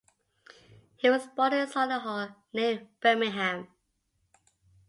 He was born in Solihull near Birmingham.